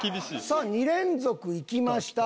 さあ２連続いきました。